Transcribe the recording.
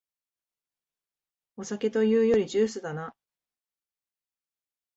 お酒というよりジュースだな